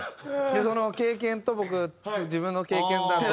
その経験と僕自分の経験談と。